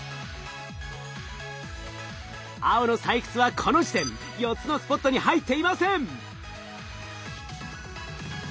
青の採掘はこの時点４つのスポットに入っていません。